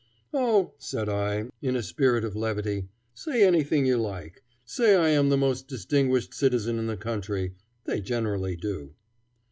"Oh," said I, in a spirit of levity, "say anything you like. Say I am the most distinguished citizen in the country. They generally do."